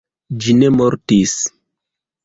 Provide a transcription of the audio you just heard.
Ĝi ne mortis.